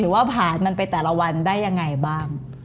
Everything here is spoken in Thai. ว่าผ่านมันไปแต่ละวันได้ยังไงบ้าง